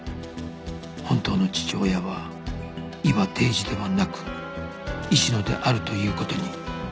本当の父親は伊庭悌二ではなく市野であるという事に